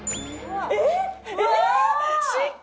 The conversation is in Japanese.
えっ！